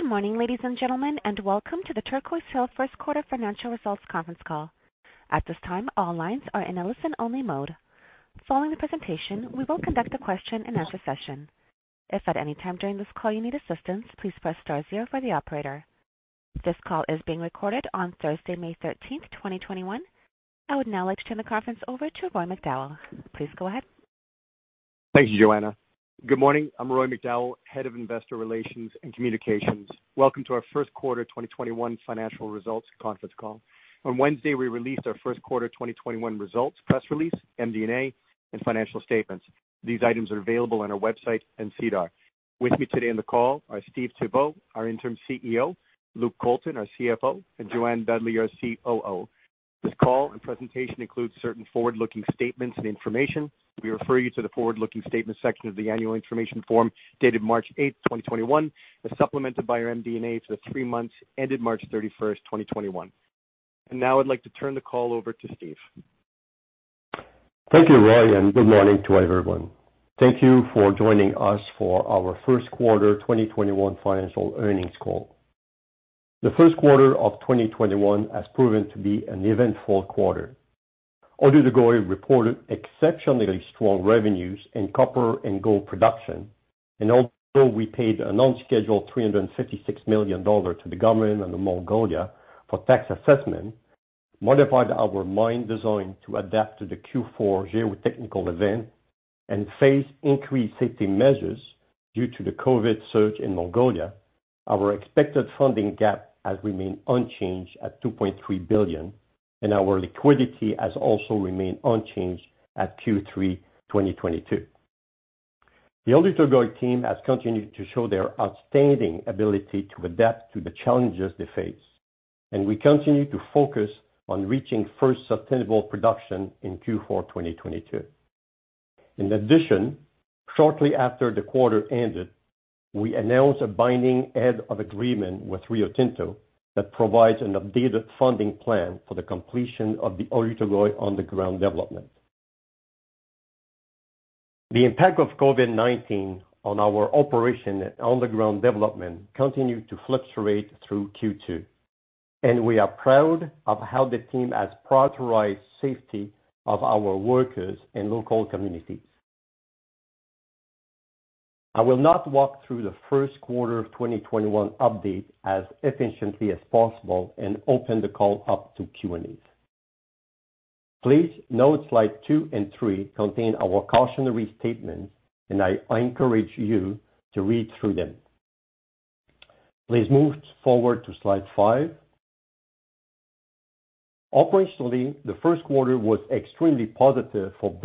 Good morning, ladies and gentlemen, and welcome to the Turquoise Hill first quarter financial results conference call. At this time, all lines are in a listen-only mode. Following the presentation, we will conduct a question-and-answer session. If at any time during this call you need assistance, please press star zero for the operator. This call is being recorded on Thursday, May 13, 2021. I would now like to turn the conference over to Roy McDowall. Please go ahead. Thank you, Joanna. Good morning. I'm Roy McDowall, Head of Investor Relations and Communications. Welcome to our first quarter 2021 financial results conference call. On Wednesday, we released our first quarter 2021 results, press release, MD&A, and financial statements. These items are available on our website and SEDAR. With me today on the call are Steve Thibeault, our Interim CEO, Luke Colton, our CFO, and Jo-Anne Dudley, our COO. This call and presentation includes certain forward-looking statements and information. We refer you to the forward-looking statements section of the annual information form dated March 8, 2021, as supplemented by our MD&A for the three months ended March 31st, 2021. Now I'd like to turn the call over to Steve. Thank you, Roy. Good morning to everyone. Thank you for joining us for our first quarter 2021 financial earnings call. The first quarter of 2021 has proven to be an eventful quarter. Oyu Tolgoi reported exceptionally strong revenues in copper and gold production. Although we paid an unscheduled $356 million to the Government of Mongolia for tax assessment, modified our mine design to adapt to the Q4 geotechnical event, and faced increased safety measures due to the COVID surge in Mongolia, our expected funding gap has remained unchanged at $2.3 billion and our liquidity has also remained unchanged at Q3 2022. The Oyu Tolgoi team has continued to show their outstanding ability to adapt to the challenges they face, and we continue to focus on reaching sustainable first production in Q4 2022. Shortly after the quarter ended, we announced a binding head of agreement with Rio Tinto that provides an updated funding plan for the completion of the Oyu Tolgoi underground development. The impact of COVID-19 on our operation underground development continued to fluctuate through Q2, and we are proud of how the team has prioritized safety of our workers and local communities. I will now walk through the first quarter of 2021 update as efficiently as possible and open the call up to Q&A. Please note slide two and three contain our cautionary statements, and I encourage you to read through them. Please move forward to slide five. Operationally, the first quarter was extremely positive from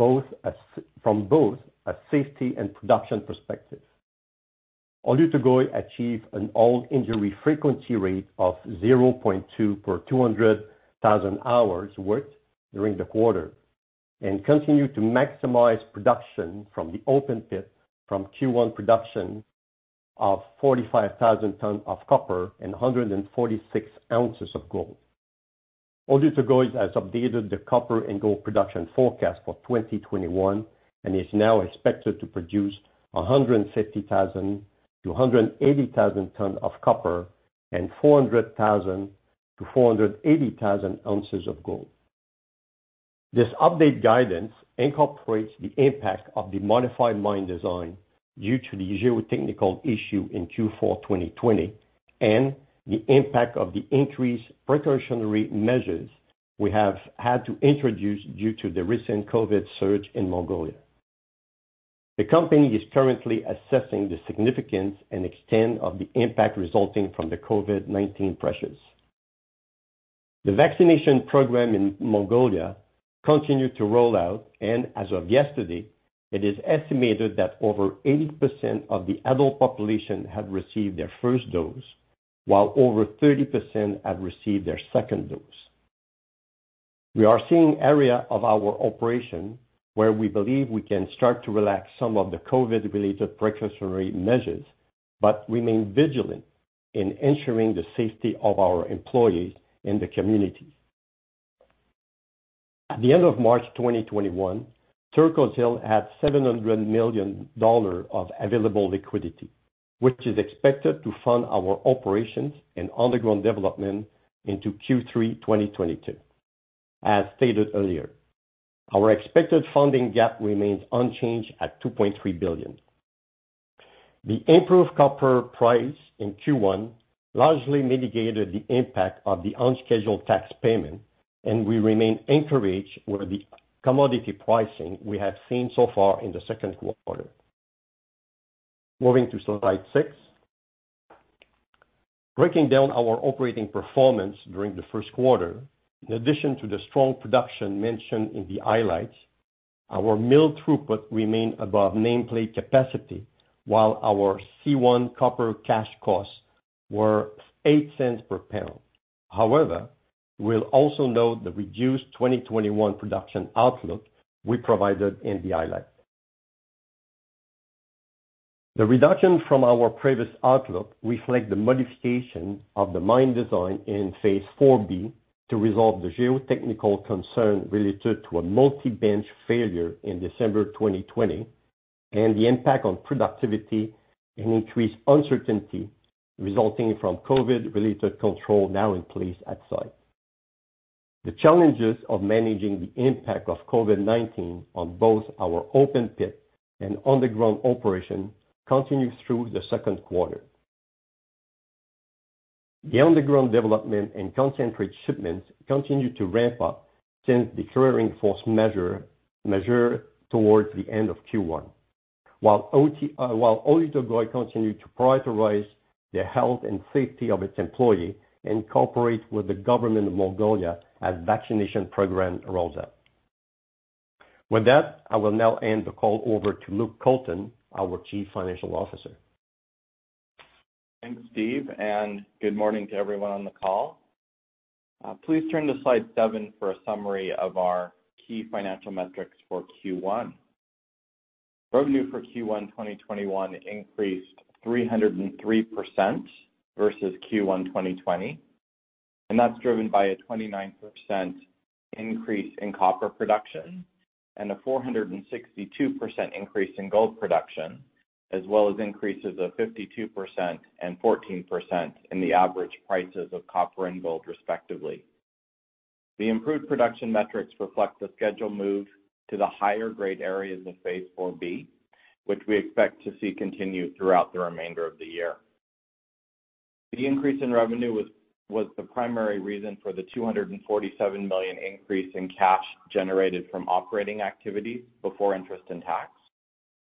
both a safety and production perspective. Oyu Tolgoi achieved an all-injury frequency rate of 0.2 per 200,000 hours worked during the quarter and continued to maximize production from the open pit from Q1 production of 45,000 tons of copper and 146,000 ounces of gold. Oyu Tolgoi has updated the copper and gold production forecast for 2021 and is now expected to produce 150,000 to 180,000 tons of copper and 400,000 to 480,000 ounces of gold. This updated guidance incorporates the impact of the modified mine design due to the geotechnical issue in Q4 2020 and the impact of the increased precautionary measures we have had to introduce due to the recent COVID surge in Mongolia. The company is currently assessing the significance and extent of the impact resulting from the COVID-19 pressures. The vaccination program in Mongolia continued to roll out, and as of yesterday, it is estimated that over 80% of the adult population have received their first dose, while over 30% have received their second dose. We are seeing area of our operation where we believe we can start to relax some of the COVID-related precautionary measures but remain vigilant in ensuring the safety of our employees and the community. At the end of March 2021, Turquoise Hill had $700 million of available liquidity, which is expected to fund our operations and underground development into Q3 2022. As stated earlier, our expected funding gap remains unchanged at $2.3 billion. The improved copper price in Q1 largely mitigated the impact of the unscheduled tax payment, and we remain encouraged with the commodity pricing we have seen so far in the second quarter. Moving to slide six. Breaking down our operating performance during the first quarter. In addition to the strong production mentioned in the highlights, our mill throughput remained above nameplate capacity, while our C1 copper cash costs were $0.08 per lb. We'll also note the reduced 2021 production outlook we provided in the highlights. The reduction from our previous outlook reflects the modification of the mine design in Phase 4B to resolve the geotechnical concern related to a multi-bench failure in December 2020. The impact on productivity and increased uncertainty resulting from COVID-related control now in place at site. The challenges of managing the impact of COVID-19 on both our open pit and underground operation continued through the second quarter. The underground development and concentrate shipments continued to ramp up since the current force majeure towards the end of Q1. While Oyu Tolgoi continued to prioritize the health and safety of its employee and cooperate with the Government of Mongolia as vaccination program rolls out. With that, I will now hand the call over to Luke Colton, our Chief Financial Officer. Thanks, Steve. Good morning to everyone on the call. Please turn to slide seven for a summary of our key financial metrics for Q1. Revenue for Q1 2021 increased 303% versus Q1 2020, and that's driven by a 29% increase in copper production and a 462% increase in gold production, as well as increases of 52% and 14% in the average prices of copper and gold, respectively. The improved production metrics reflect the schedule move to the higher-grade areas of Phase 4B, which we expect to see continue throughout the remainder of the year. The increase in revenue was the primary reason for the $247 million increase in cash generated from operating activities before interest and tax.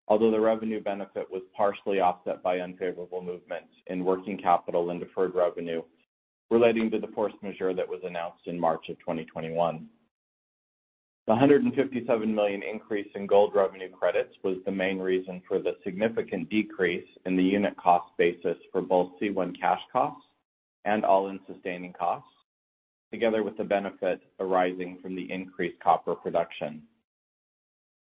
The revenue benefit was partially offset by unfavorable movements in working capital and deferred revenue relating to the force majeure that was announced in March of 2021. The $157 million increase in gold revenue credits was the main reason for the significant decrease in the unit cost basis for both C1 cash costs and all-in sustaining costs, together with the benefit arising from the increased copper production.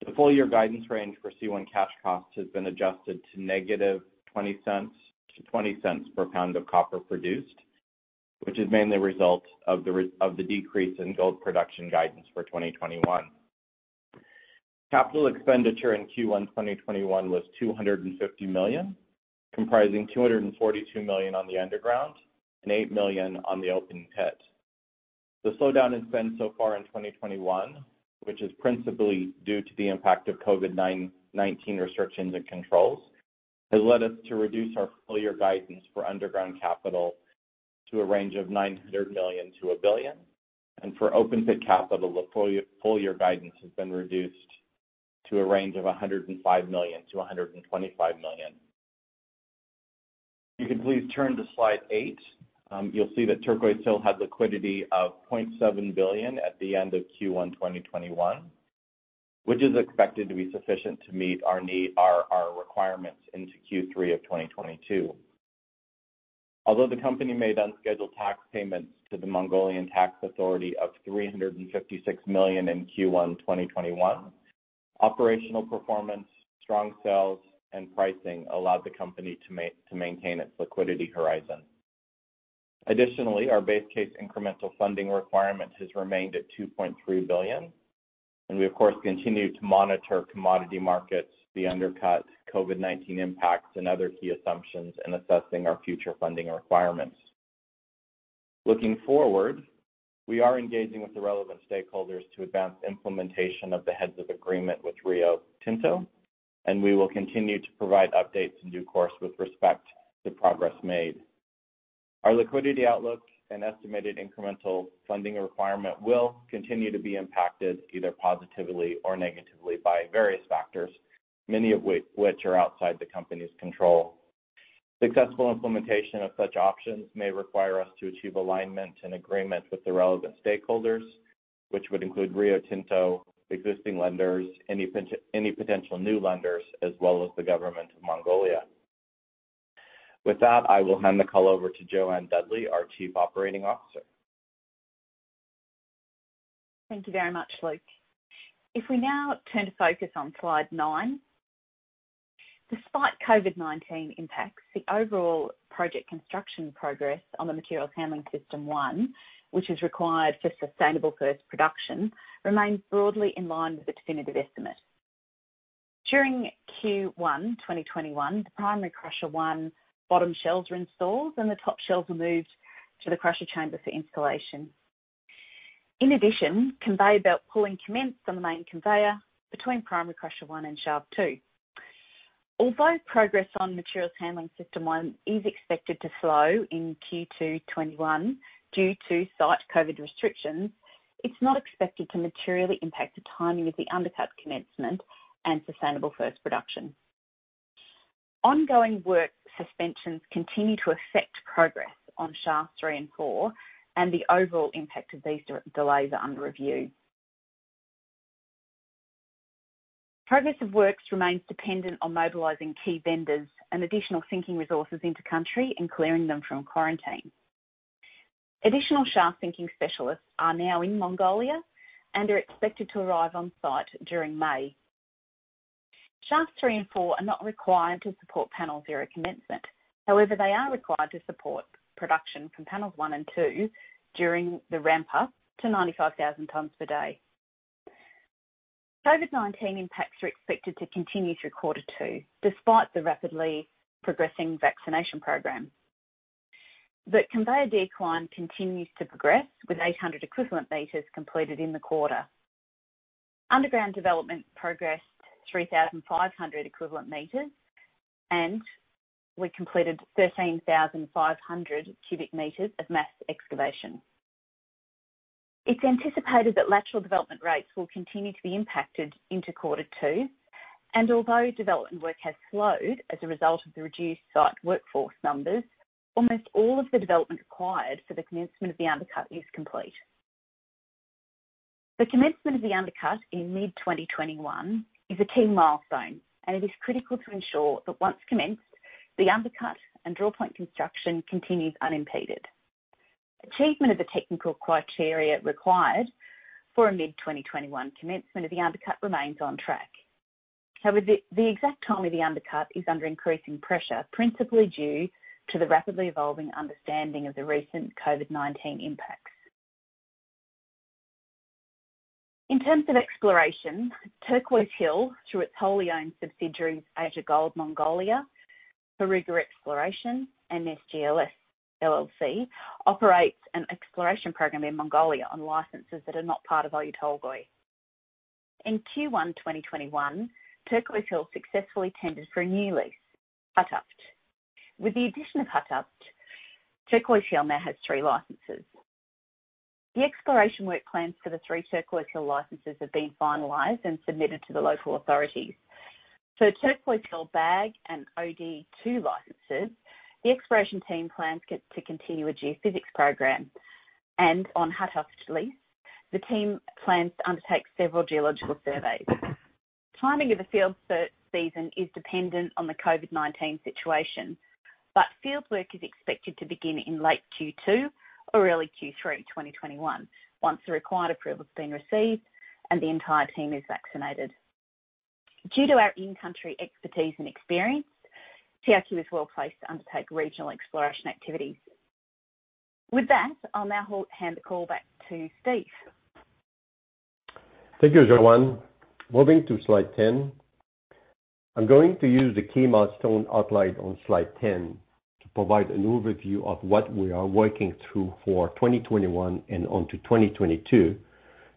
The full year guidance range for C1 cash costs has been adjusted to -$0.20 to $0.20 per lb of copper produced, which is mainly a result of the decrease in gold production guidance for 2021. Capital expenditure in Q1 2021 was $250 million, comprising $242 million on the underground and $8 million on the open pit. The slowdown in spend so far in 2021, which is principally due to the impact of COVID-19 restrictions and controls, has led us to reduce our full year guidance for underground capital to a range of $900 million-$1 billion. For open pit capital, the full year guidance has been reduced to a range of $105 million-$125 million. If you can please turn to slide eight, you'll see that Turquoise Hill had liquidity of $0.7 billion at the end of Q1 2021, which is expected to be sufficient to meet our requirements into Q3 of 2022. Although the company made unscheduled tax payments to the Mongolian tax authority of $356 million in Q1 2021, operational performance, strong sales, and pricing allowed the company to maintain its liquidity horizon. Additionally, our base case incremental funding requirement has remained at $2.3 billion, and we of course, continue to monitor commodity markets, the undercut, COVID-19 impacts, and other key assumptions in assessing our future funding requirements. Looking forward, we are engaging with the relevant stakeholders to advance implementation of the head of agreement with Rio Tinto. We will continue to provide updates in due course with respect to progress made. Our liquidity outlook and estimated incremental funding requirement will continue to be impacted, either positively or negatively, by various factors, many of which are outside the company's control. Successful implementation of such options may require us to achieve alignment and agreement with the relevant stakeholders, which would include Rio Tinto, existing lenders, any potential new lenders, as well as the Government of Mongolia. With that, I will hand the call over to Jo-Anne Dudley, our Chief Operating Officer. Thank you very much, Luke. If we now turn to focus on slide nine. Despite COVID-19 impacts, the overall project construction progress on the Material Handling System 1, which is required for sustainable first production, remains broadly in line with the definitive estimate. During Q1 2021, the Primary Crusher 1 bottom shells were installed, and the top shells were moved to the crusher chamber for installation. In addition, conveyor belt pulling commenced on the main conveyor between Primary Crusher 1 and Shaft 2. Although progress on Material Handling System 1 is expected to slow in Q2 2021 due to site COVID restrictions, it's not expected to materially impact the timing of the undercut commencement and sustainable first production. Ongoing work suspensions continue to affect progress on Shaft 3 and 4, and the overall impact of these delays are under review. Progress of works remains dependent on mobilizing key vendors and additional sinking resources into country and clearing them from quarantine. Additional shaft sinking specialists are now in Mongolia and are expected to arrive on site during May. Shaft 3 and 4 are not required to support Panel 0 commencement. However, they are required to support production from Panels 1 and 2 during the ramp up to 95,000 tons per day. COVID-19 impacts are expected to continue through quarter two, despite the rapidly progressing vaccination program. The conveyor decline continues to progress with 800 equivalent meters completed in the quarter. Underground development progressed 3,500 equivalent meters, we completed 13,500 cu m of mass excavation. It's anticipated that lateral development rates will continue to be impacted into quarter two. Although development work has slowed as a result of the reduced site workforce numbers, almost all of the development required for the commencement of the undercut is complete. The commencement of the undercut in mid-2021 is a key milestone. It is critical to ensure that once commenced, the undercut and drawpoint construction continues unimpeded. Achievement of the technical criteria required for a mid-2021 commencement of the undercut remains on track. However, the exact timing of the undercut is under increasing pressure, principally due to the rapidly evolving understanding of the recent COVID-19 impacts. In terms of exploration, Turquoise Hill, through its wholly owned subsidiaries, Asia Gold Mongolia, Heruga Exploration, and SGLS LLC, operates an exploration program in Mongolia on licenses that are not part of Oyu Tolgoi. In Q1 2021, Turquoise Hill successfully tendered for a new lease, Khatavch. With the addition of Khatavch, Turquoise Hill now has three licenses. The exploration work plans for the three Turquoise Hill licenses have been finalized and submitted to the local authorities. For Turquoise Hill Bag and Od-2 licenses, the exploration team plans to continue a geophysics program. On Khatavch lease, the team plans to undertake several geological surveys. Timing of the field season is dependent on the COVID-19 situation, but fieldwork is expected to begin in late Q2 or early Q3 2021 once the required approval has been received and the entire team is vaccinated. Due to our in-country expertise and experience, TRQ is well-placed to undertake regional exploration activities. With that, I'll now hand the call back to Steve. Thank you, Jo-Anne. Moving to slide 10. I'm going to use the key milestone outlined on slide 10 to provide an overview of what we are working through for 2021 and on to 2022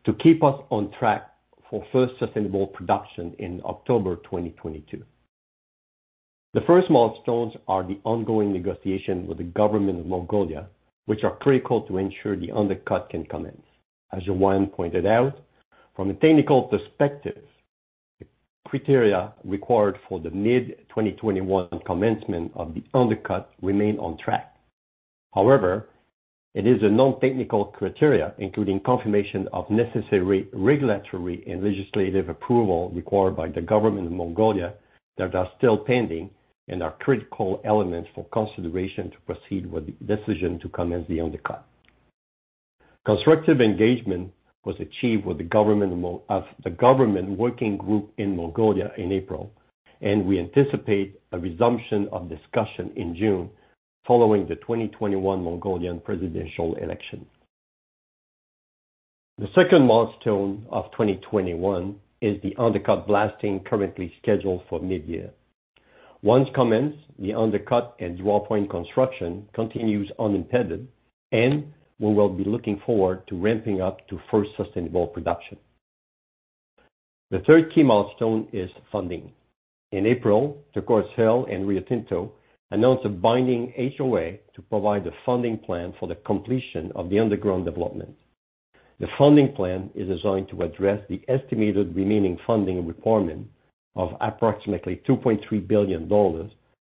to keep us on track for first Sustainable First Production in October 2022. The first milestones are the ongoing negotiations with the Government of Mongolia, which are critical to ensure the undercut can commence. As Jo-Anne pointed out, from a technical perspective, the criteria required for the mid-2021 commencement of the undercut remain on track. It is a non-technical criteria, including confirmation of necessary regulatory and legislative approval required by the Government of Mongolia that are still pending and are critical elements for consideration to proceed with the decision to commence the undercut. Constructive engagement was achieved of the government working group in Mongolia in April, and we anticipate a resumption of discussion in June following the 2021 Mongolian presidential election. The second milestone of 2021 is the undercut blasting currently scheduled for mid-year. Once commenced, the undercut and drawpoint construction continues unimpeded, and we will be looking forward to ramping up to first sustainable production. The third key milestone is funding. In April, Turquoise Hill and Rio Tinto announced a binding HoA to provide the funding plan for the completion of the underground development. The funding plan is designed to address the estimated remaining funding requirement of approximately $2.3 billion,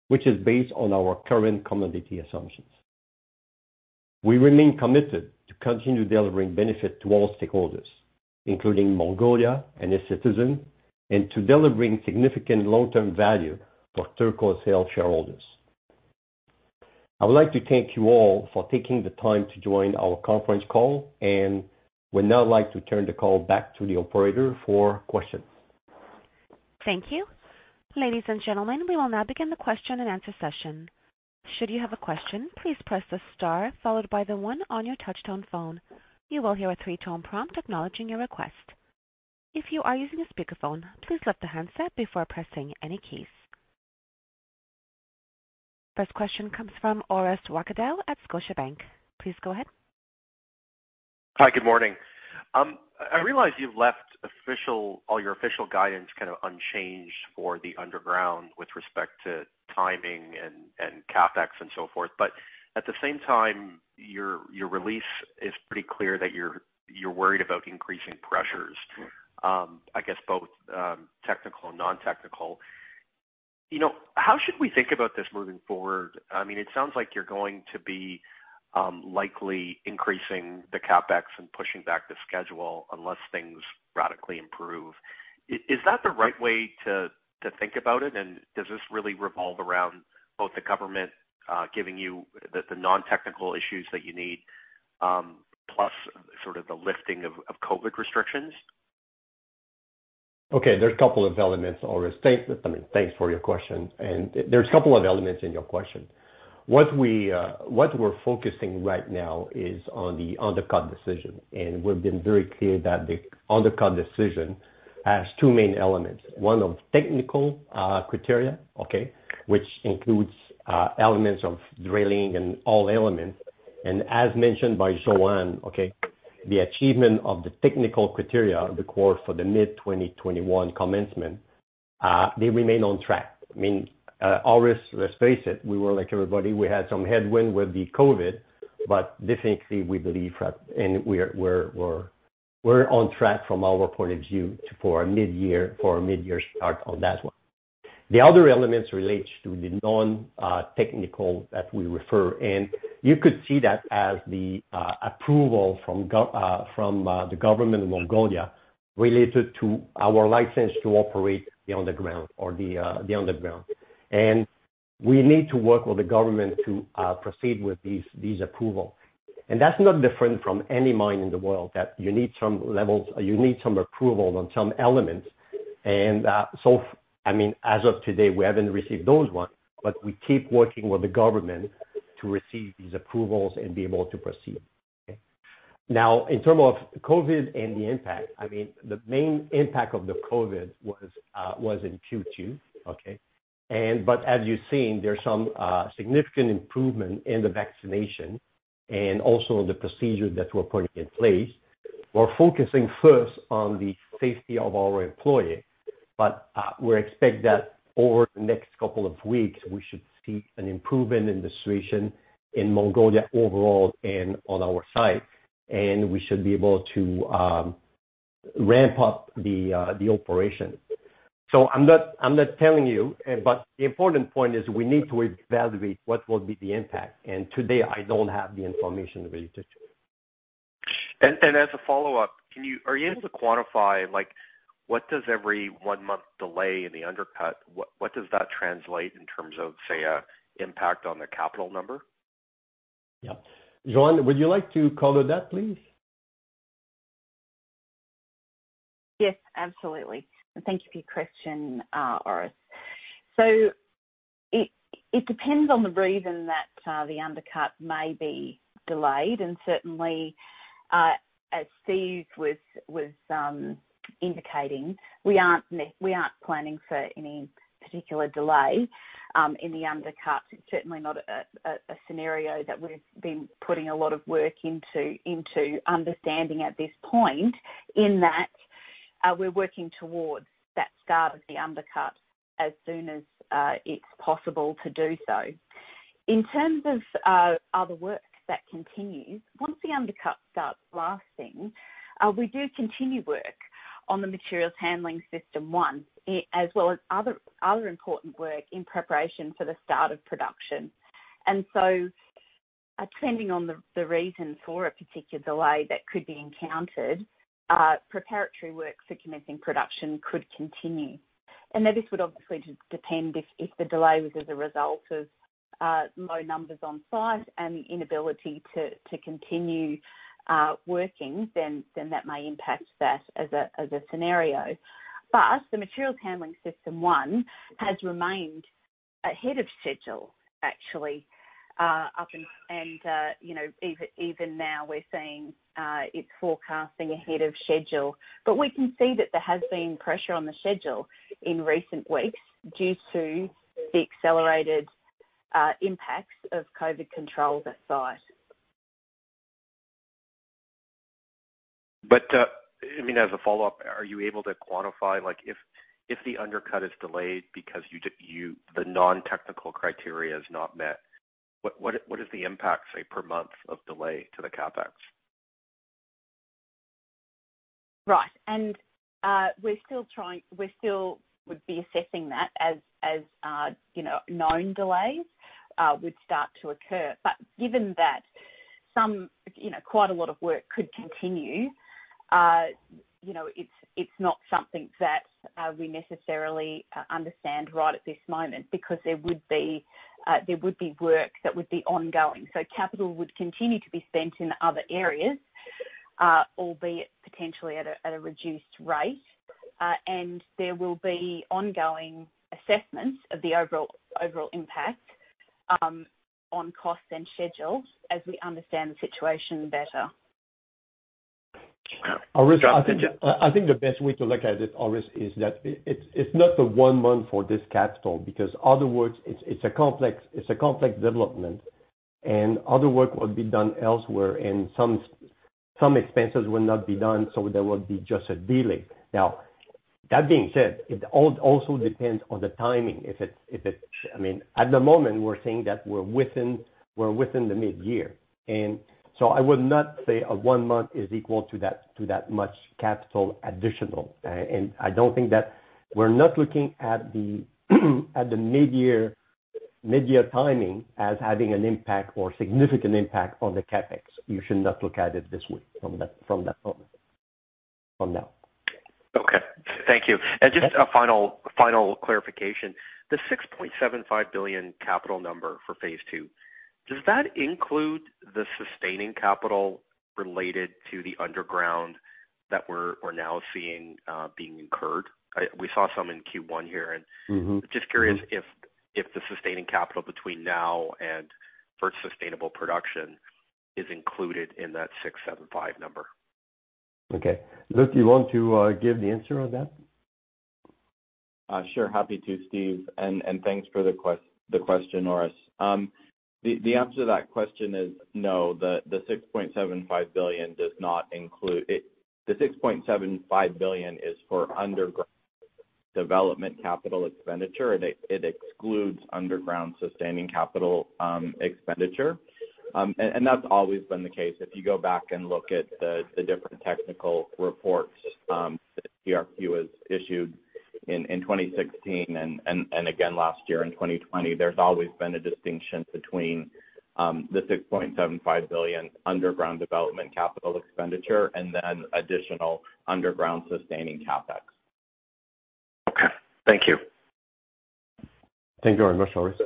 which is based on our current commodity assumptions. We remain committed to continue delivering benefit to all stakeholders, including Mongolia and its citizens, and to delivering significant long-term value for Turquoise Hill shareholders. I would like to thank you all for taking the time to join our conference call and would now like to turn the call back to the operator for questions. Thank you. Ladies and gentlemen, we will now begin the question-and-answer session. Should you have a question, please press the star followed by the one on your touchtone phone. You will hear a three-tone prompt acknowledging your request. If you are using a speaker phone, please lift up the handset before pressing any keys. First question comes from Orest Wowkodaw at Scotiabank. Please go ahead. Hi, good morning. I realize you've left all your official guidance kind of unchanged for the underground with respect to timing and CapEx and so forth. At the same time, your release is pretty clear that you're worried about increasing pressures, I guess both technical and non-technical. How should we think about this moving forward? It sounds like you're going to be likely increasing the CapEx and pushing back the schedule unless things radically improve. Is that the right way to think about it? Does this really revolve around both the government giving you the non-technical issues that you need, plus sort of the lifting of COVID restrictions? Okay, there's a couple of elements, Orest. Thanks for your question. There's a couple of elements in your question. What we're focusing right now is on the undercut decision, and we've been very clear that the undercut decision has two main elements. One of technical criteria, okay, which includes elements of drilling and all elements. As mentioned by Jo-Anne, okay, the achievement of the technical criteria required for the mid-2021 commencement, they remain on track. I mean, always, let's face it, we were like everybody, we had some headwind with the COVID, but definitely we believe that, and we're on track from our point of view for a midyear start on that one. The other elements relates to the non-technical that we refer, and you could see that as the approval from the Government of Mongolia related to our license to operate the underground. We need to work with the government to proceed with these approval. That's not different from any mine in the world, that you need some approvals on some elements. As of today, we haven't received those ones, but we keep working with the government to receive these approvals and be able to proceed. In term of COVID and the impact, the main impact of the COVID was in Q2, okay? As you've seen, there's some significant improvement in the vaccination and also the procedures that were put in place. We're focusing first on the safety of our employees. We expect that over the next couple of weeks, we should see an improvement in the situation in Mongolia overall and on our site. We should be able to ramp up the operation. I'm not telling you, but the important point is we need to evaluate what will be the impact. Today, I don't have the information related to it. As a follow-up, are you able to quantify, what does every one-month delay in the undercut, what does that translate in terms of, say, impact on the capital number? Yeah. Jo-Anne, would you like to comment on that, please? Yes, absolutely. Thank you for your question, Orest. It depends on the reason that the undercut may be delayed, and certainly, as Steve was indicating, we aren't planning for any particular delay in the undercut. It's certainly not a scenario that we've been putting a lot of work into understanding at this point, in that we're working towards that start of the undercut as soon as it's possible to do so. In terms of other work that continues, once the undercut starts blasting, we do continue work on the Material Handling System 1, as well as other important work in preparation for the start of production. Depending on the reason for a particular delay that could be encountered, preparatory work for commencing production could continue. This would obviously depend if the delay was as a result of low numbers on site and the inability to continue working, then that may impact that as a scenario. The Material Handling System 1 has remained ahead of schedule, actually. Even now we're seeing it's forecasting ahead of schedule. We can see that there has been pressure on the schedule in recent weeks due to the accelerated impacts of COVID controls at site. As a follow-up, are you able to quantify, if the undercut is delayed because the non-technical criteria is not met, what is the impact, say, per month of delay to the CapEx? Right. We still would be assessing that as known delays would start to occur. Given that quite a lot of work could continue, it's not something that we necessarily understand right at this moment, because there would be work that would be ongoing. Capital would continue to be spent in other areas, albeit potentially at a reduced rate. There will be ongoing assessments of the overall impact on costs and schedules as we understand the situation better. Orest, I think the best way to look at it, Orest, is that it's not the one month for this capital, because other words, it's a complex development, and other work will be done elsewhere, and some expenses will not be done, so there will be just a delay. That being said, it also depends on the timing. At the moment, we're saying that we're within the mid-year. I would not say a one month is equal to that much capital additional. I don't think that, we're not looking at the mid-year timing as having an impact or significant impact on the CapEx. You should not look at it this way, from that point. For now. Okay. Thank you. Just a final clarification. The $6.75 billion capital number for Phase 2. Does that include the sustaining capital related to the underground that we're now seeing being incurred? We saw some in Q1 here. Just curious if the sustaining capital between now and sustainable first production is included in that $6.75 billion number? Okay. Luke, you want to give the answer on that? Sure. Happy to, Steve. Thanks for the question, Orest. The answer to that question is no, the $6.75 billion is for underground development capital expenditure. It excludes underground sustaining capital expenditure. That's always been the case. If you go back and look at the different technical reports that TRQ has issued in 2016 and again last year in 2020, there's always been a distinction between the $6.75 billion underground development capital expenditure and then additional underground sustaining CapEx. Okay. Thank you. Thank you very much, Orest.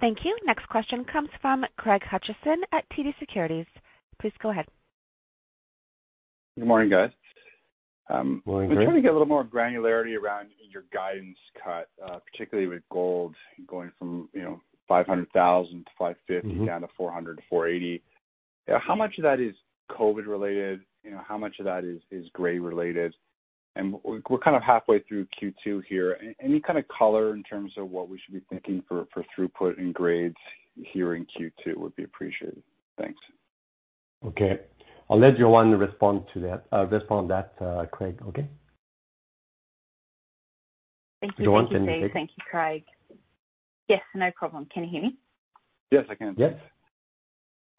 Thank you. Next question comes from Craig Hutchison at TD Securities. Please go ahead. Good morning, guys. Morning, Craig. I'm trying to get a little more granularity around your guidance cut, particularly with gold going from 500,000 to 550,000 down to 400,000 to 480,000. How much of that is COVID related? How much of that is grade related? We're kind of halfway through Q2 here. Any kind of color in terms of what we should be thinking for throughput in grades here in Q2 would be appreciated. Thanks. Okay. I'll let Jo-Anne respond to that, Craig. Okay? Jo-Anne, can you take? Thank you, Steve. Thank you, Craig. Yes, no problem. Can you hear me? Yes, I can. Yes.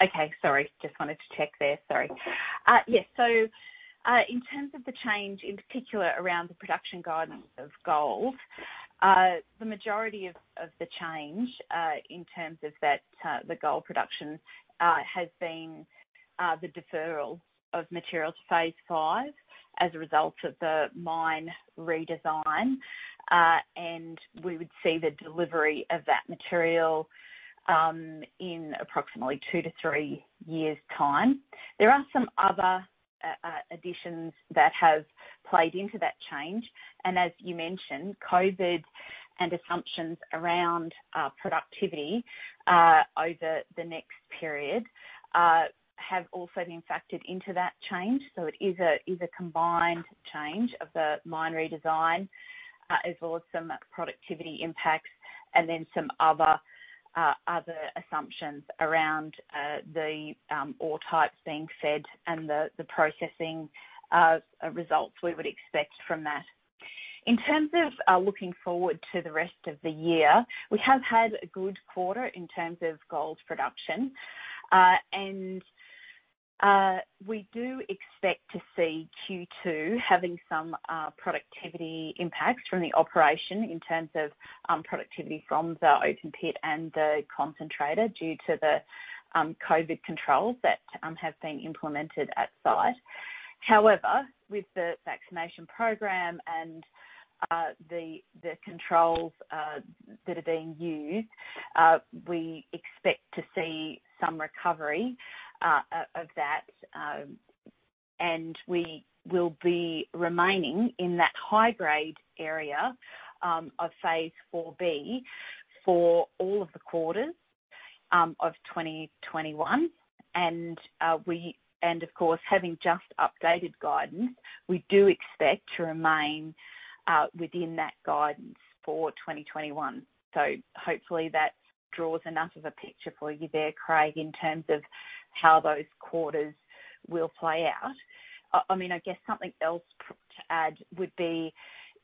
Okay. Sorry, just wanted to check there. Sorry. Yes. In terms of the change in particular around the production guidance of gold, the majority of the change, in terms of the gold production, has been the deferral of materials Phase 5 as a result of the mine redesign. We would see the delivery of that material in approximately two to three years' time. There are some other additions that have played into that change, and as you mentioned, COVID and assumptions around productivity over the next period have also been factored into that change. It is a combined change of the mine redesign, as well as some productivity impacts and then some other assumptions around the ore types being fed and the processing results we would expect from that. In terms of looking forward to the rest of the year, we have had a good quarter in terms of gold production. We do expect to see Q2 having some productivity impacts from the operation in terms of productivity from the open pit and the concentrator due to the COVID controls that have been implemented at site. However, with the vaccination program and the controls that are being used, we expect to see some recovery of that, and we will be remaining in that high-grade area of Phase 4B for all of the quarters of 2021. Of course, having just updated guidance, we do expect to remain within that guidance for 2021. Hopefully that draws enough of a picture for you there, Craig, in terms of how those quarters will play out. I guess something else to add would be,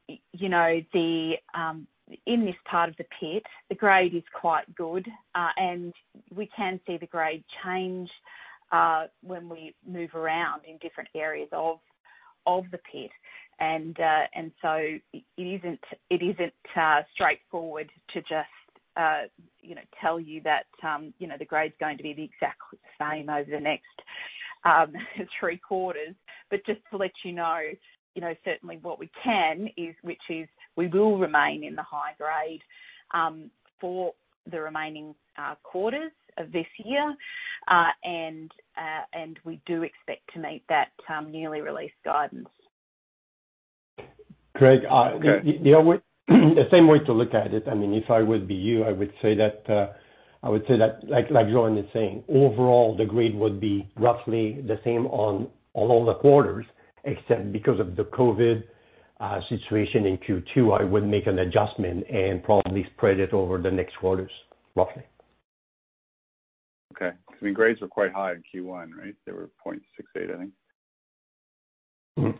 in this part of the pit, the grade is quite good. We can see the grade change when we move around in different areas of the pit. It isn't straightforward to just tell you that the grade's going to be the exact same over the next three quarters. Just to let you know, certainly what we can, which is we will remain in the high grade for the remaining quarters of this year. We do expect to meet that newly released guidance. Craig. Okay. The same way to look at it, if I would be you, I would say that, like Jo-Anne is saying, overall, the grade would be roughly the same on all the quarters, except because of the COVID situation in Q2, I would make an adjustment and probably spread it over the next quarters, roughly. Okay. Because grades were quite high in Q1, right? They were 0.68%, I think.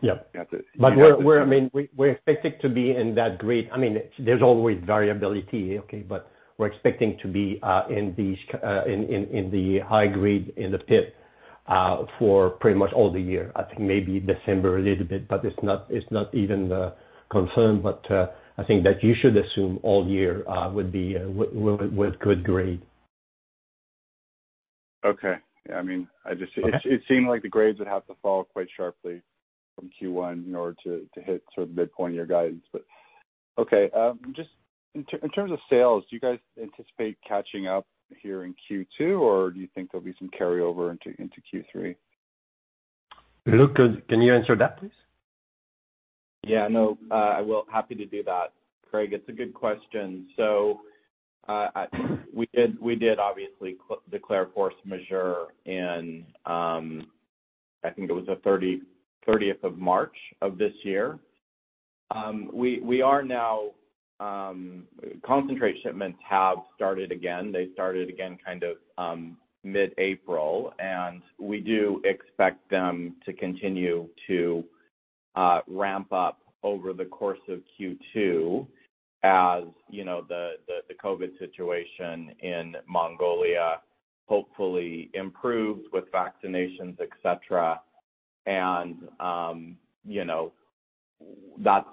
Yep. You have to- We're expecting to be in that grade. There's always variability, okay, we're expecting to be in the high grade in the pit for pretty much all the year. I think maybe December a little bit, it's not even confirmed. I think that you should assume all year with good grade. Okay. Yeah, it seemed like the grades would have to fall quite sharply from Q1 in order to hit sort of mid-point of your guidance. Okay. Just in terms of sales, do you guys anticipate catching up here in Q2, or do you think there'll be some carryover into Q3? Luke, can you answer that, please? Yeah, no, I will. Happy to do that, Craig. It's a good question. We did obviously declare force majeure in, I think it was the 30th of March of this year. Concentrate shipments have started again. They started again kind of mid-April, we do expect them to continue to ramp up over the course of Q2, as the COVID situation in Mongolia hopefully improves with vaccinations, et cetera.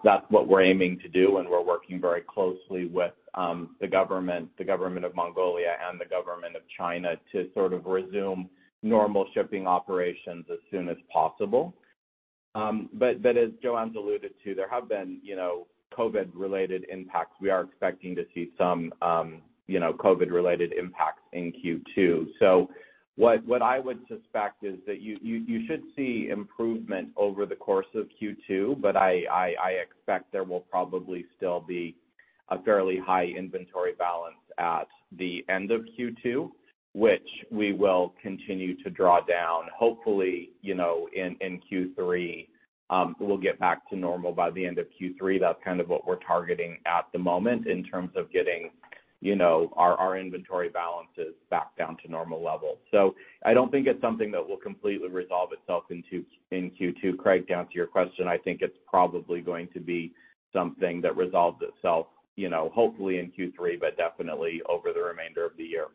That's what we're aiming to do, we're working very closely with the Government of Mongolia and the Government of China to sort of resume normal shipping operations as soon as possible. As Jo-Anne's alluded to, there have been COVID-related impacts. We are expecting to see some COVID-related impacts in Q2. What I would suspect is that you should see improvement over the course of Q2, but I expect there will probably still be a fairly high inventory balance at the end of Q2, which we will continue to draw down. Hopefully, in Q3, we'll get back to normal by the end of Q3. That's kind of what we're targeting at the moment in terms of getting our inventory balances back down to normal levels. I don't think it's something that will completely resolve itself in Q2, Craig, to answer your question. I think it's probably going to be something that resolves itself hopefully in Q3, but definitely over the remainder of the year.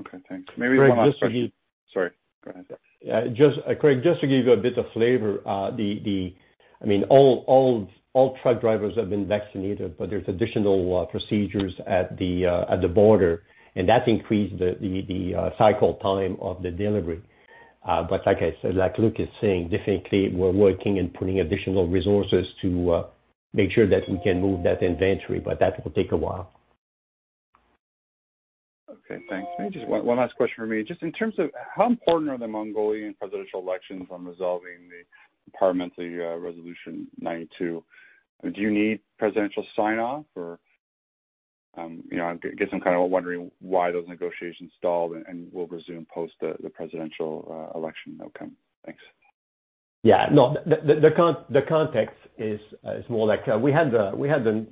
Okay, thanks. Maybe one last question. Craig. Sorry, go ahead. Craig, just to give you a bit of flavor, all truck drivers have been vaccinated, but there's additional procedures at the border, and that increased the cycle time of the delivery. Like I said, like Luke is saying, definitely we're working and putting additional resources to make sure that we can move that inventory, but that will take a while. Okay, thanks. Maybe just one last question from me. Just in terms of how important are the Mongolian presidential elections on resolving the Parliamentary Resolution 92, do you need presidential sign-off or, I guess I'm kind of wondering why those negotiations stalled and will resume post the presidential election outcome. Thanks. The context is more like, we had the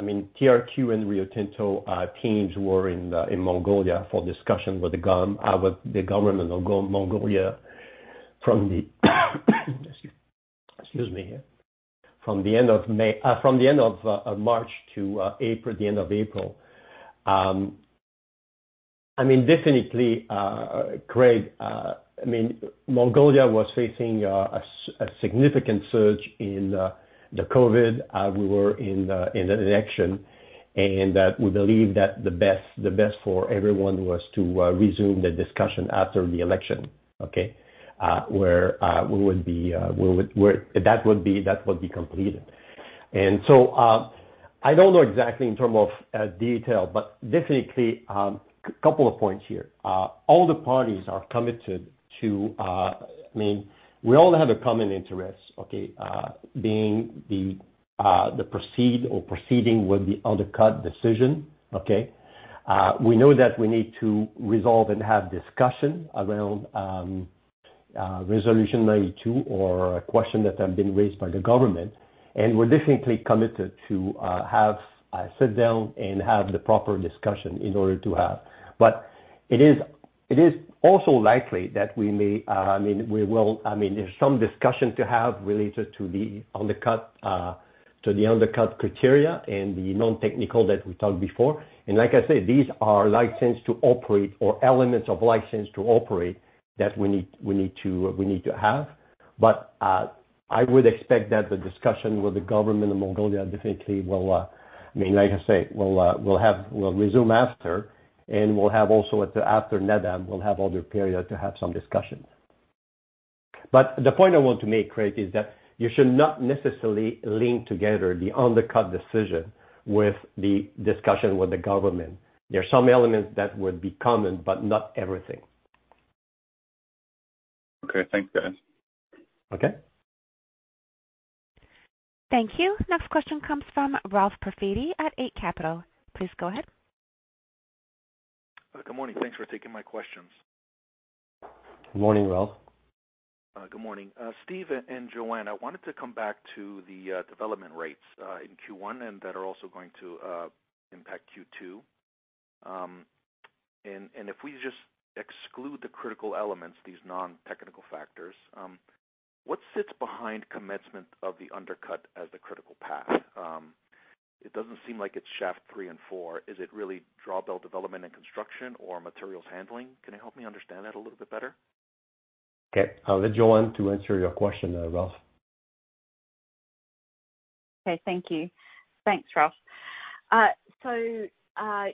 TRQ and Rio Tinto teams were in Mongolia for discussion with the Government of Mongolia from the end of March to the end of April. Craig, Mongolia was facing a significant surge in the COVID. We were in an election, we believe that the best for everyone was to resume the discussion after the election, okay? Where that would be completed. I don't know exactly in terms of detail, a couple of points here. All the parties are committed. We all have a common interest, okay? Being the proceeding with the undercut decision, okay? We know that we need to resolve and have discussion around Resolution 92 or questions that have been raised by the government. We're definitely committed to have a sit down and have the proper discussion in order to have. It is also likely that there's some discussion to have related to the undercut criteria and the non-technical that we talked before. Like I said, these are license to operate or elements of license to operate that we need to have. I would expect that the discussion with the Government of Mongolia definitely will resume after, and we'll have also after Naadam, we'll have other period to have some discussions. The point I want to make, Craig, is that you should not necessarily link together the undercut decision with the discussion with the government. There are some elements that would be common, but not everything. Okay. Thanks, guys. Okay. Thank you. Next question comes from Ralph Profiti at Eight Capital. Please go ahead. Good morning. Thanks for taking my questions. Morning, Ralph. Good morning. Steve and Jo-Anne, I wanted to come back to the development rates in Q1 and that are also going to impact Q2. If we just exclude the critical elements, these non-technical factors, what sits behind commencement of the undercut as the critical path? It doesn't seem like it's Shaft 3 and 4. Is it really drawbell development and construction or materials handling? Can you help me understand that a little bit better? Okay. I'll let Jo-Anne to answer your question, Ralph. Okay, thank you. Thanks, Ralph.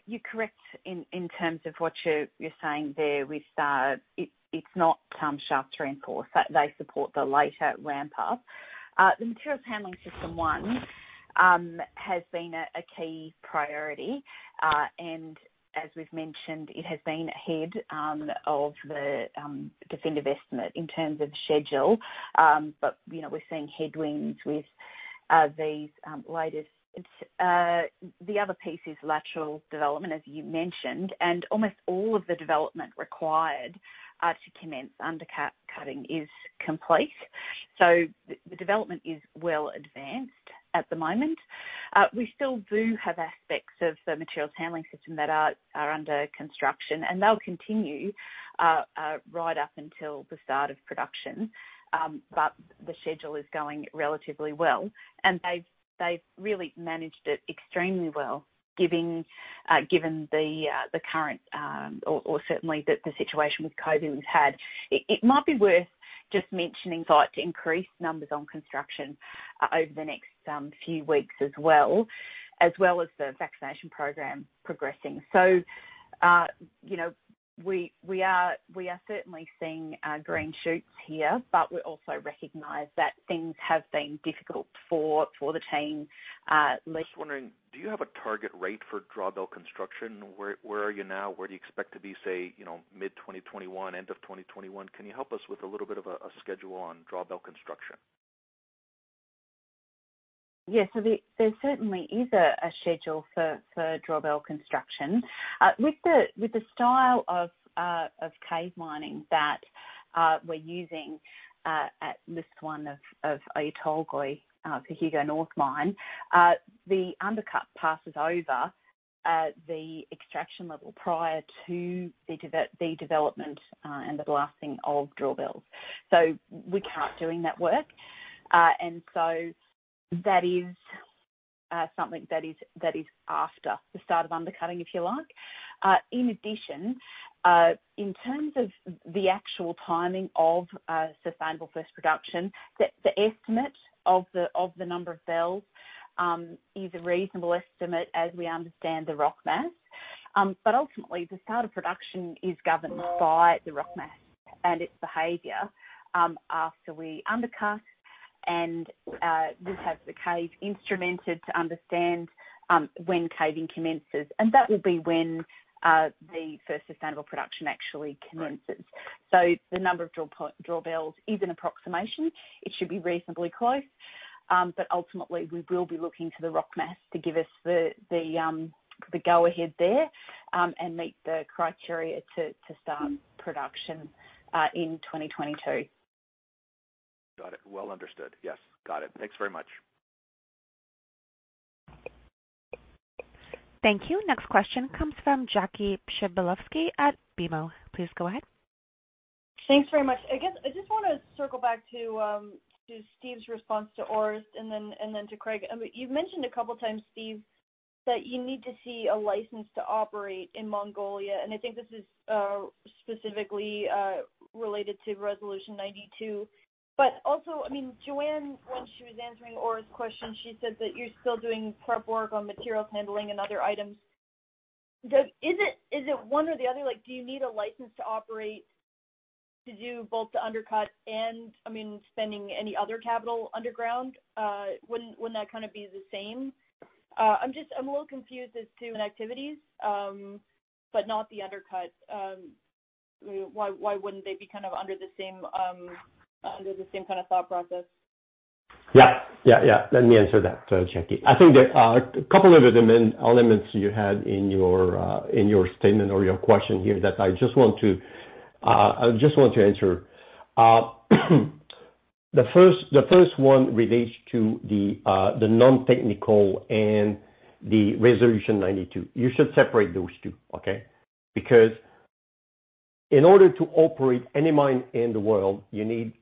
You're correct in terms of what you're saying there with, it's not Shaft 3 and 4. They support the later ramp up. The Material Handling System 1 has been a key priority. As we've mentioned, it has been ahead of the definitive estimate in terms of schedule. We're seeing headwinds with these latest. The other piece is lateral development, as you mentioned, and almost all of the development required to commence undercutting is complete. The development is well advanced at the moment. We still do have aspects of the materials handling system that are under construction, and they'll continue right up until the start of production. The schedule is going relatively well, and they've really managed it extremely well, given the current, or certainly the situation with COVID we've had. It might be worth just mentioning site increase numbers on construction over the next few weeks as well, as well as the vaccination program progressing. We are certainly seeing green shoots here, but we also recognize that things have been difficult for the team. Just wondering, do you have a target rate for drawbell construction? Where are you now? Where do you expect to be, say, mid-2021, end of 2021? Can you help us with a little bit of a schedule on drawbell construction? Yes. There certainly is a schedule for drawbell construction. With the style of cave mining that we're using at this one of Oyu Tolgoi, Hugo North mine. The undercut passes over the extraction level prior to the development and the blasting of drawbells. We can't doing that work. That is something that is after the start of undercutting, if you like. In addition, in terms of the actual timing of sustainable first production, the estimate of the number of bells is a reasonable estimate as we understand the rock mass. Ultimately, the start of production is governed by the rock mass and its behavior after we undercut and we have the cave instrumented to understand when caving commences. That will be when the first sustainable production actually commences. Right. The number of drawbells is an approximation. It should be reasonably close. Ultimately, we will be looking to the rock mass to give us the go ahead there and meet the criteria to start production in 2022. Got it. Well understood. Yes. Got it. Thanks very much. Thank you. Next question comes from Jackie Przybylowski at BMO. Please go ahead. Thanks very much. I guess I just want to circle back to Steve's response to Orest and then to Craig. You've mentioned a couple times, Steve, that you need to see a license to operate in Mongolia, and I think this is specifically related to Resolution 92. Also, I mean, Jo-Anne, when she was answering Orest's question, she said that you're still doing prep work on materials handling and other items. Is it one or the other? Do you need a license to operate to do both the undercut and, I mean, spending any other capital underground? Wouldn't that kind of be the same? I'm a little confused as to activities, but not the undercut. Why wouldn't they be under the same kind of thought process? Let me answer that, Jackie. I think there are a couple of elements you had in your statement or your question here that I just want to answer. The first one relates to the non-technical and the Resolution 92. You should separate those two, okay? In order to operate any mine in the world, you need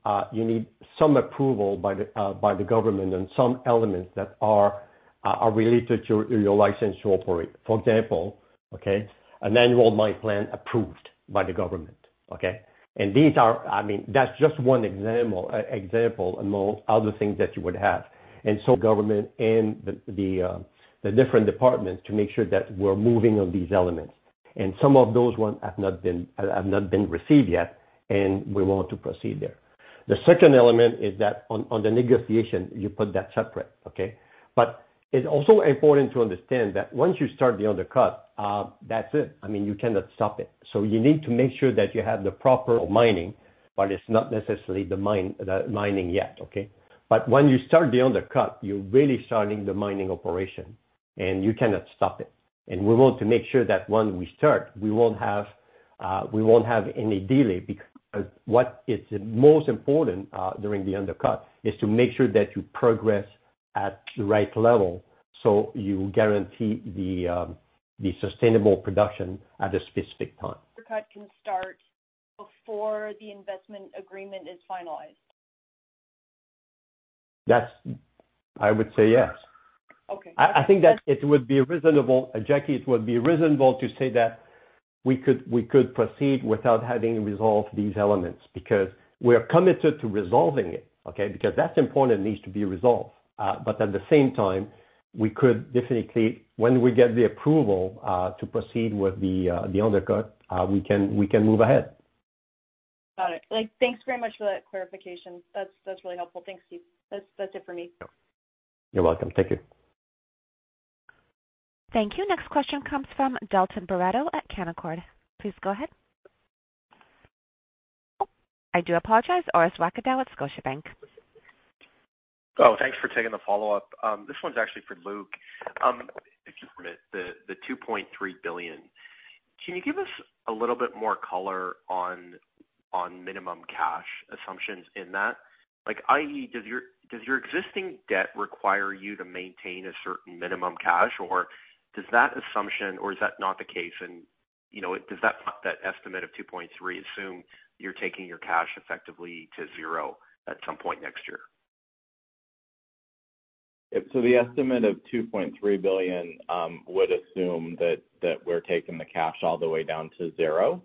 some approval by the government and some elements that are related to your license to operate. For example, okay, an annual mine plan approved by the government, okay? That's just one example among other things that you would have. Government and the different departments to make sure that we're moving on these elements. Some of those ones have not been received yet, and we want to proceed there. The second element is that on the negotiation, you put that separate, okay? It's also important to understand that once you start the undercut, that's it. I mean, you cannot stop it. You need to make sure that you have the proper mining, but it's not necessarily the mining yet, okay? When you start the undercut, you're really starting the mining operation and you cannot stop it. We want to make sure that once we start, we won't have any delay, because what is the most important, during the undercut is to make sure that you progress at the right level so you guarantee the sustainable production at a specific time. Undercut can start before the investment agreement is finalized? I would say yes. Okay. I think that it would be reasonable, Jackie, it would be reasonable to say that we could proceed without having resolved these elements, because we are committed to resolving it, okay. That's important, it needs to be resolved. At the same time, we could definitely, when we get the approval to proceed with the undercut, we can move ahead. Got it. Thanks very much for that clarification. That's really helpful. Thanks, Steve. That's it for me. You're welcome. Thank you. Thank you. Next question comes from Dalton Baretto at Canaccord. Please go ahead. Oh, I do apologize, Orest Wowkodaw at Scotiabank. Thanks for taking the follow-up. This one's actually for Luke. If you permit, the $2.3 billion, can you give us a little bit more color on minimum cash assumptions in that? I.e., does your existing debt require you to maintain a certain minimum cash, or is that not the case and does that estimate of $2.3 billion assume you're taking your cash effectively to zero at some point next year? The estimate of $2.3 billion would assume that we're taking the cash all the way down to zero.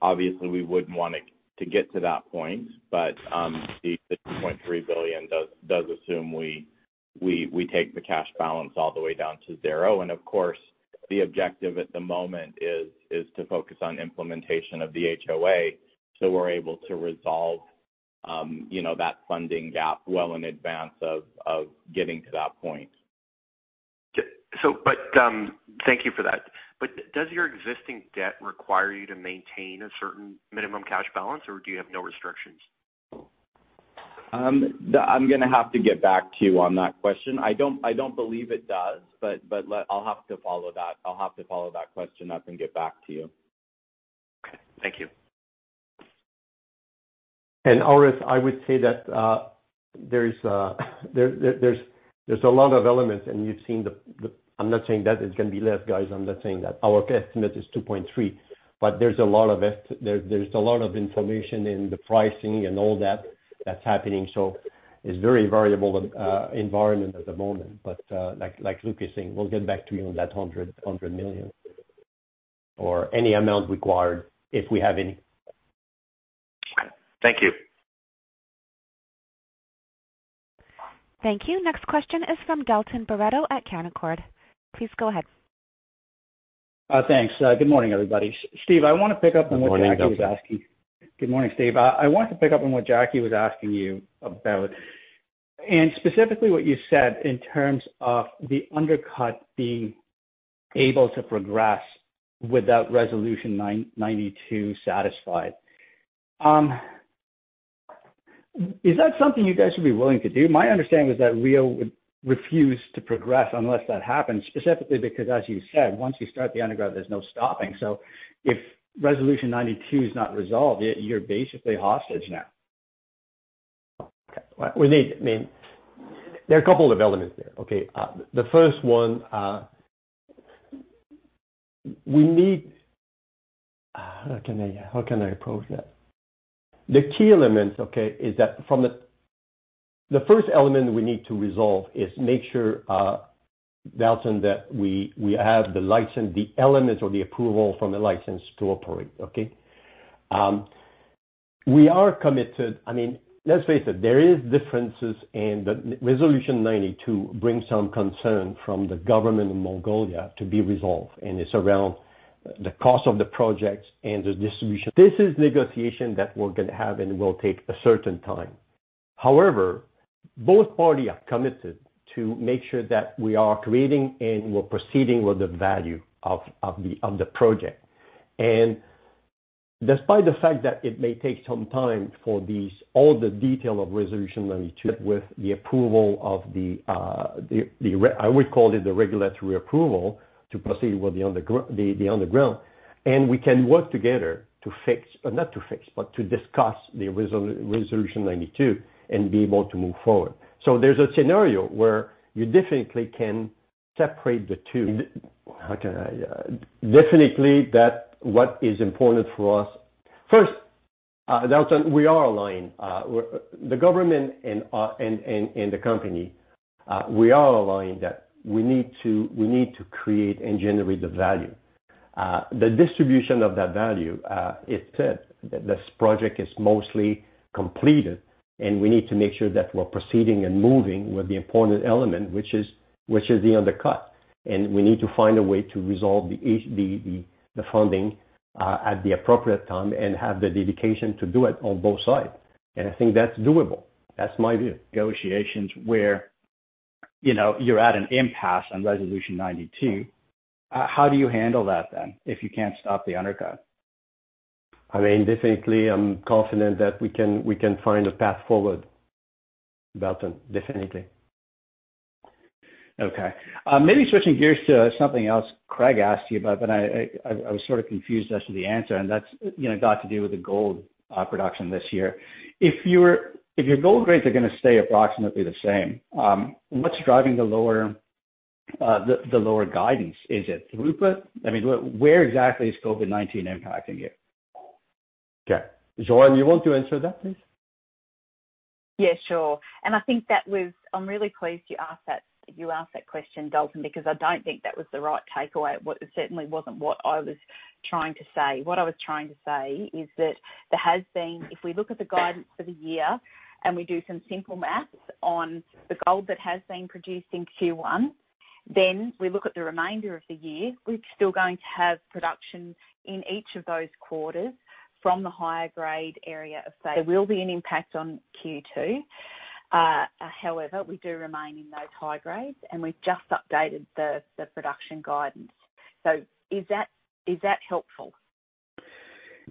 Obviously, we wouldn't want to get to that point, but the $2.3 billion does assume we take the cash balance all the way down to zero. Of course, the objective at the moment is to focus on implementation of the HoA, so we're able to resolve that funding gap well in advance of getting to that point. Thank you for that. Does your existing debt require you to maintain a certain minimum cash balance, or do you have no restrictions? I'm going to have to get back to you on that question. I don't believe it does, but I'll have to follow that question up and get back to you. Okay. Thank you. Orest, I would say that there's a lot of elements, you've seen I'm not saying that it's going to be less, guys. I'm not saying that. Our estimate is $2.3 billion, there's a lot of information in the pricing and all that that's happening. It's very variable environment at the moment. Like Luke is saying, we'll get back to you on that $100 million or any amount required if we have any. Thank you. Thank you. Next question is from Dalton Baretto at Canaccord. Please go ahead. Thanks. Good morning, everybody. Steve, I want to pick up on what Jackie. Good morning, Dalton. Good morning, Steve. I want to pick up on what Jackie was asking you about, specifically what you said in terms of the undercut being able to progress without Resolution 92 satisfied. Is that something you guys would be willing to do? My understanding was that Rio would refuse to progress unless that happens, specifically because, as you said, once you start the underground, there's no stopping. If Resolution 92 is not resolved, you're basically hostage now. Okay. There are a couple of elements there, okay? How can I approach that? The key element, okay, is that from the first element we need to resolve is make sure, Dalton, that we have the license, the element or the approval from the license to operate, okay? We are committed. Let's face it, there is differences and Resolution 92 brings some concern from the Government of Mongolia to be resolved, it's around the cost of the project and the distribution. This is negotiation that we're going to have and will take a certain time. Both party are committed to make sure that we are creating and we're proceeding with the value of the project. Despite the fact that it may take some time for all the detail of Resolution 92 with the approval of the, I would call it the regulatory approval, to proceed with the underground. We can work together to fix, or not to fix, but to discuss the Resolution 92 and be able to move forward. There's a scenario where you definitely can separate the two. How can I? Definitely that what is important for us. First, Dalton, we are aligned. The government and the company, we are aligned that we need to create and generate the value. The distribution of that value, it's said that this project is mostly completed, and we need to make sure that we're proceeding and moving with the important element, which is the undercut. We need to find a way to resolve the funding, at the appropriate time and have the dedication to do it on both sides. I think that's doable. That's my view. Negotiations where, you're at an impasse on Resolution 92, how do you handle that then, if you can't stop the undercut? I mean, definitely, I'm confident that we can find a path forward, Dalton. Definitely. Okay. Maybe switching gears to something else Craig asked you about, but I was sort of confused as to the answer, and that's got to do with the gold production this year. If your gold grades are going to stay approximately the same, what's driving the lower guidance? Is it throughput? I mean, where exactly is COVID-19 impacting you? Okay. Jo-Anne, you want to answer that, please? Yeah, sure. I think I'm really pleased you asked that question, Dalton, because I don't think that was the right takeaway. It certainly wasn't what I was trying to say. What I was trying to say is that there has been, if we look at the guidance for the year and we do some simple math on the gold that has been produced in Q1, then we look at the remainder of the year, we're still going to have production in each of those quarters from the higher grade area. There will be an impact on Q2. We do remain in those high grades, and we've just updated the production guidance. Is that helpful?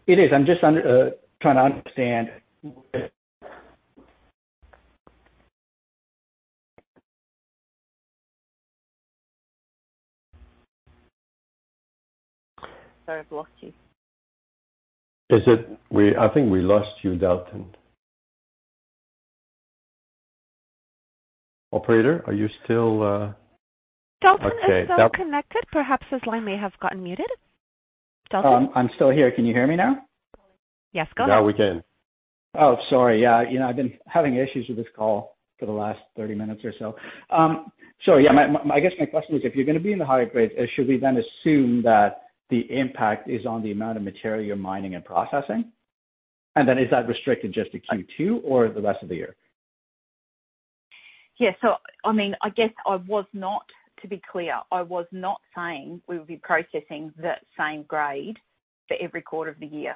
It is. I'm just trying to understand where- Sorry, I've lost you. I think we lost you, Dalton. Operator, are you still? Dalton is still connected. Perhaps his line may have gotten muted. Dalton? I'm still here. Can you hear me now? Yes, go ahead. Now we can. Oh, sorry. Yeah. I've been having issues with this call for the last 30 minutes or so. Yeah, I guess my question is, if you're going to be in the higher grade, should we then assume that the impact is on the amount of material you're mining and processing? Then is that restricted just to Q2 or the rest of the year? I guess I was not, to be clear, I was not saying we would be processing the same grade for every quarter of the year.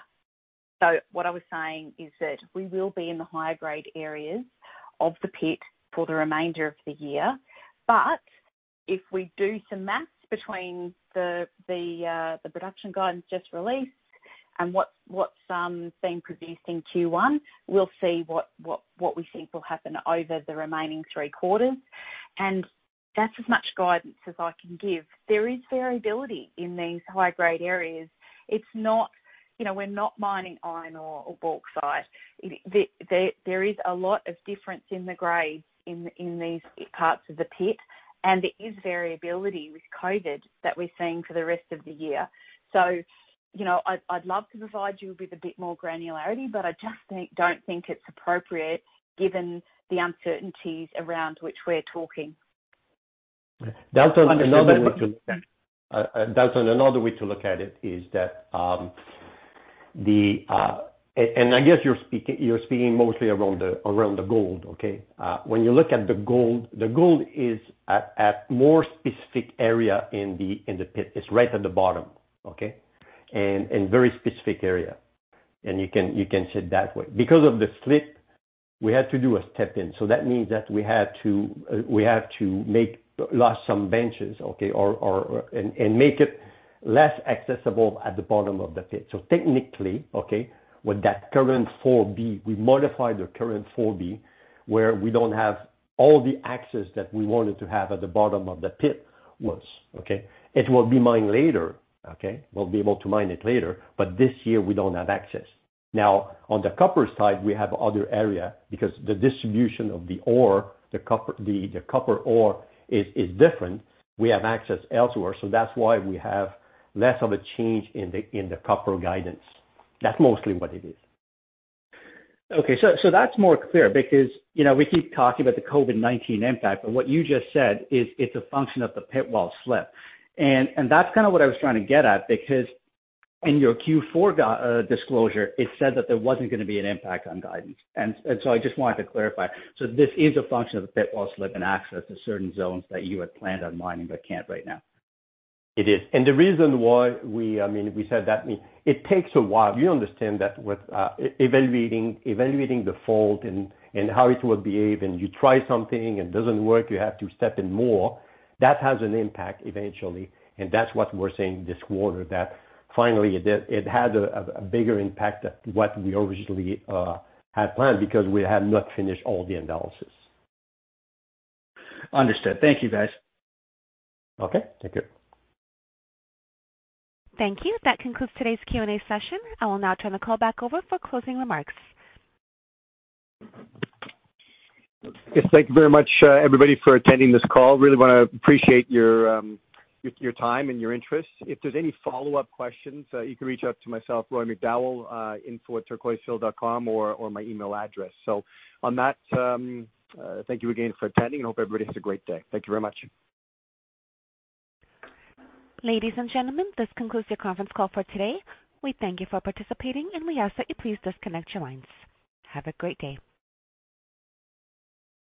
What I was saying is that we will be in the high-grade areas of the pit for the remainder of the year. If we do some math between the production guidance just released and what's being produced in Q1, we'll see what we think will happen over the remaining three quarters. That's as much guidance as I can give. There is variability in these high-grade areas. We're not mining iron or bauxite. There is a lot of difference in the grades in these parts of the pit, and there is variability with COVID that we're seeing for the rest of the year. I'd love to provide you with a bit more granularity, but I just don't think it's appropriate given the uncertainties around which we're talking. Dalton, another way to. Understood. Dalton, another way to look at it is that. I guess you're speaking mostly around the gold, okay? When you look at the gold, the gold is at more specific area in the pit. It's right at the bottom, okay? Very specific area. You can see it that way. Because of the slip, we had to do a step in. That means that we have to lost some benches, okay? Make it less accessible at the bottom of the pit. Technically, okay, with that current 4B, we modified the current 4B, where we don't have all the access that we wanted to have at the bottom of the pit once, okay? It will be mined later, okay? We'll be able to mine it later, this year we don't have access. On the copper side, we have other area because the distribution of the ore, the copper ore, is different. We have access elsewhere, that's why we have less of a change in the copper guidance. That's mostly what it is. Okay, that's more clear because, we keep talking about the COVID-19 impact, but what you just said is it's a function of the pit wall slip. That's kind of what I was trying to get at because in your Q4 disclosure, it said that there wasn't going to be an impact on guidance. I just wanted to clarify. This is a function of the pit wall slip and access to certain zones that you had planned on mining but can't right now. It is. The reason why we said that, it takes a while. You understand that with evaluating the fault and how it will behave, and you try something and it doesn't work, you have to step in more. That has an impact eventually. That's what we're saying this quarter, that finally it had a bigger impact than what we originally had planned because we had not finished all the analysis. Understood. Thank you, guys. Okay, thank you. Thank you. That concludes today's Q&A session. I will now turn the call back over for closing remarks. Yes, thank you very much, everybody, for attending this call. Really want to appreciate your time and your interest. If there's any follow-up questions, you can reach out to myself, Roy McDowall, info@turquoisehill.com, or my email address. On that, thank you again for attending and hope everybody has a great day. Thank you very much. Ladies and gentlemen, this concludes your conference call for today. We thank you for participating, and we ask that you please disconnect your lines. Have a great day.